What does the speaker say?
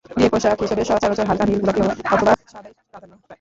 বিয়ের পোশাক হিসেবে সচরাচর হালকা নীল, গোলাপি অথবা সাদাই প্রাধান্য পায়।